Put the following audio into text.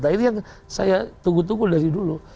nah itu yang saya tunggu tunggu dari dulu